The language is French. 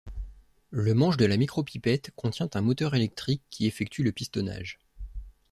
Le manche de la micropipette contient un moteur électrique qui effectue le pistonnage.